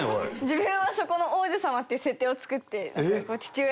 自分はそこの王女様っていう設定を作って。